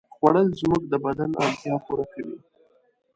خوړل زموږ د بدن اړتیا پوره کوي